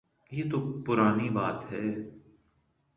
یہ تو پرانی بات ہے۔